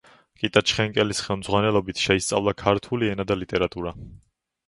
კიტა ჩხენკელის ხელმძღვანელობით შეისწავლა ქართული ენა და ლიტერატურა.